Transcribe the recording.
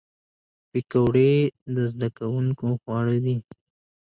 پکورې د زدهکوونکو خواړه دي